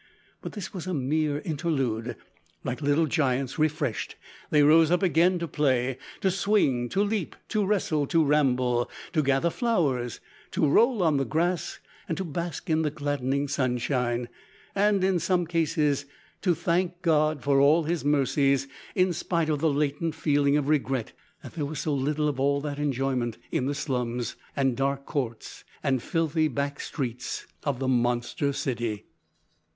But this was a mere interlude. Like little giants refreshed they rose up again to play to swing, to leap, to wrestle, to ramble, to gather flowers, to roll on the grass, to bask in the gladdening sunshine, and, in some cases, to thank God for all His mercies, in spite of the latent feeling of regret that there was so little of all that enjoyment in the slums, and dark courts, and filthy back streets of the monster city.